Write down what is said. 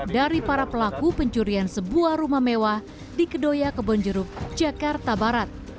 dari para pelaku pencurian sebuah rumah mewah di kedoya kebonjeruk jakarta barat